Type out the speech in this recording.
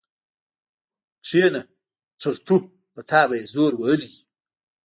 کېنه ټرتو په تا به يې زور وهلی وي.